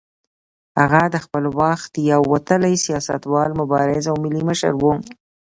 هغه د خپل وخت یو وتلی سیاستوال، مبارز او ملي مشر و.